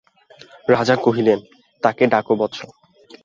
রাজা কহিলেন, তাকে ডাকো বৎস।